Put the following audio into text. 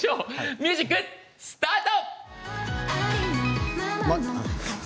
ミュージックスタート。